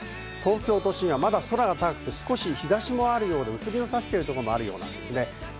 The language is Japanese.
東京都心はまだ空が高くて少し日差しもあるようで薄日の差してるとこもあるようなんですね。